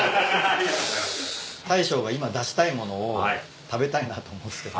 大将が今出したい物を食べたいなと思うんすけど。